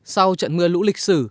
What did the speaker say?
sau trận mưa lũ lịch sử